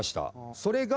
それが。